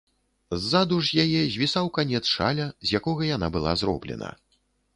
Ззаду ж з яе звісаў канец шаля, з якога яна была зроблена.